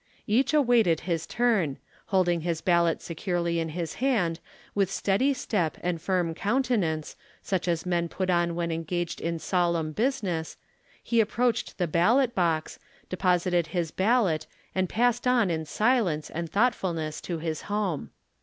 Each awaited his turn ; holding his ballot securely in his hand, with steady step and tirm countenance, such as men put on when engaged in solemn business, he approached the bal lot box, deposited his ballot and passed on in silence and thoughtfulness to his home.